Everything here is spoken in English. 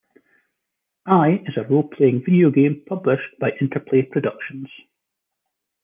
I is a role-playing video game published by Interplay Productions.